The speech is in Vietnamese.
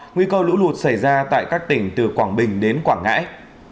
nguy cơ lũ lụt xảy ra tại các tỉnh từ quảng bình đến quảng ngãi